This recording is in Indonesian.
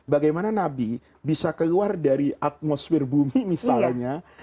bagaimana nabi bisa keluar dari atmosfer bumi misalnya